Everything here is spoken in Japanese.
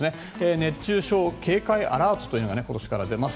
熱中症警戒アラートが今年から出ます。